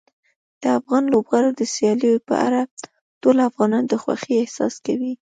د افغان لوبغاړو د سیالیو په اړه ټول افغانان د خوښۍ احساس کوي.